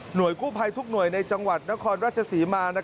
กู้ภัยทุกหน่วยในจังหวัดนครราชศรีมา